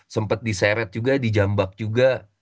sempat diseret juga di jambak juga